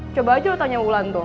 coba aja tanya wulan tuh